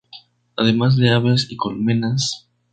Además de aves y colmenas.